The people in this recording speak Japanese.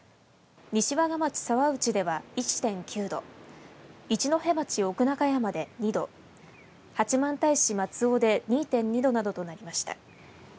西和賀町沢内では、１．９度一戸町奥中山で２度八幡平市松尾で２．２度などとなりました。